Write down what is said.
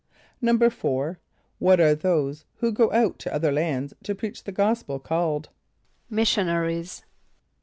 = =4.= What are those who go out to other lands to preach the gospel called? =Missionaries.